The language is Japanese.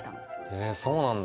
へえそうなんだ。